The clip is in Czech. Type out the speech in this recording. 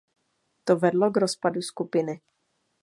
To vedlo k rozpadu skupiny.